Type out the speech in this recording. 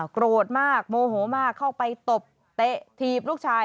โกรธมากโมโหมากเข้าไปตบเตะถีบลูกชาย